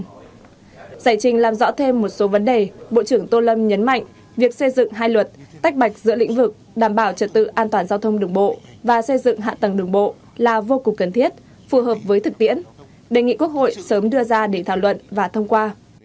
giải trình làm rõ thêm một số vấn đề bộ trưởng tô lâm nhấn mạnh việc xây dựng hai luật tách bạch giữa lĩnh vực đảm bảo trật tự an toàn giao thông đường bộ và xây dựng hạ tầng đường bộ là vô cùng cần thiết phù hợp với thực tiễn đề nghị quốc hội sớm đưa ra để thảo luận và thông qua